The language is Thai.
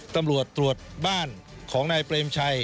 ตำรวจตรวจบ้านของนายเปรมชัย